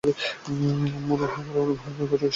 মুনু আপনার হৃদয়ের অমৃতে গরিবের ঘরটিকে স্বর্গ করে রেখেছে।